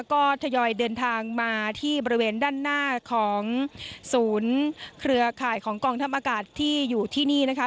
ก็ทยอยเดินทางมาที่บริเวณด้านหน้าของศูนย์เครือข่ายของกองทัพอากาศที่อยู่ที่นี่นะคะ